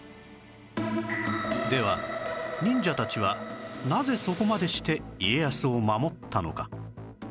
では忍者たちはなぜそこまでして家康を守ったのか？